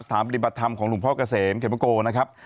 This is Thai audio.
ปฏิบัติธรรมของหลวงพ่อเกษมเขมโกนะครับ